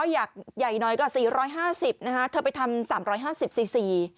๓๕๐๔๐๐อยากใหญ่น้อยก็๔๕๐นะฮะเธอไปทำ๓๕๐ซีซี